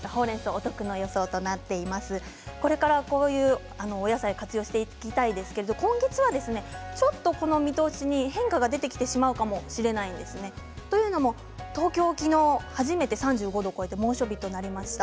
これからこういうお野菜活用していきたいですけども今月はちょっと見通しに変化が出てきてしまうかもしれないんですねというのも東京、昨日、初めて３５度を超えて猛暑日になりました。